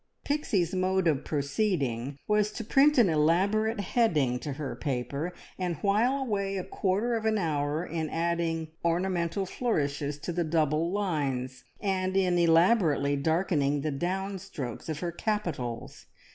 Pixie's mode of proceeding was to print an elaborate heading to her paper, and while away a quarter of an hour in adding ornamental flourishes to the double lines, and in elaborately darkening the down strokes of her capitals.